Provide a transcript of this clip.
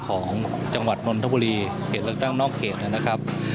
ของจังหวัดนนทบุรีเขตเลือกตั้งนอกเขตนะครับ